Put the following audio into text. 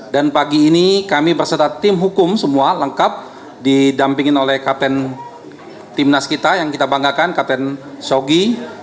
dan pagi ini kami bersama tim hukum semua lengkap didampingin oleh kapten tim nas kita yang kita banggakan kapten sogi